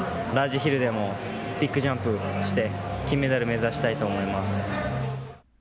ラージヒルでもビッグジャンプして、金メダル目指したいと思います。